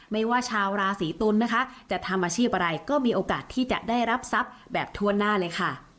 ไม่ว่าชาวราศีตุลนะคะจะทำอาชีพอะไรก็มีโอกาสที่จะได้รับทรัพย์แบบทั่วหน้าเลยค่ะ